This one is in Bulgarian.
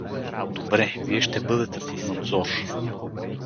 — Добре, вие ще бъдете под надзор!